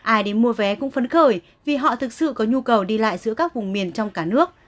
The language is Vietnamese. ai đến mua vé cũng phấn khởi vì họ thực sự có nhu cầu đi lại giữa các vùng miền trong cả nước